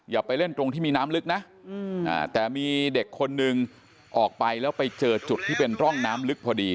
อย่าไปเล่นตรงที่มีน้ำลึกนะแต่มีเด็กคนนึงออกไปแล้วไปเจอจุดที่เป็นร่องน้ำลึกพอดี